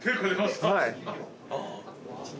はい。